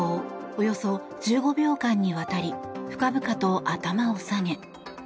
およそ１５秒間にわたり深々と頭を下げ。